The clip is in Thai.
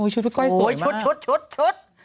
ชุดพี่ก้อยสวยมากนะครับโอ้ยชุด